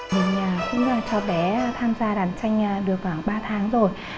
mình cũng cho bé tham gia đàn tranh được khoảng ba tháng rồi